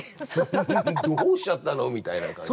どうしちゃったのみたいな感じ？